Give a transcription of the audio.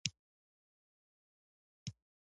سوالګر ته د زړه دروازه پرانیزه